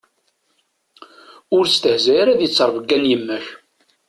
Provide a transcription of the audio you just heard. Ur stehzay ara di ttrebga n yemma-k.